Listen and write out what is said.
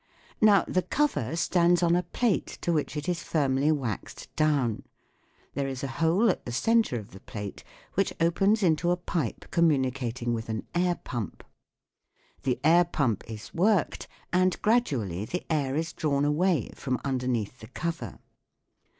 Now the cover stands on a plate to which it is firmly waxed down. There is a hole at the centre of the plate which opens into a pipe communicating with an air pump. The air pump is worked, and gradually the air is drawn away from underneath the cover.